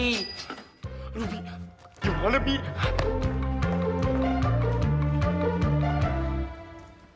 loh bi yuk lo lebih